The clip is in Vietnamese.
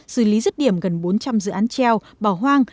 xử lý dứt điểm gần bốn trăm linh dự án treo bảo hoang